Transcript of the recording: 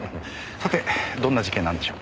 さてどんな事件なんでしょう？